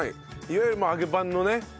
いわゆるまあ揚げパンのね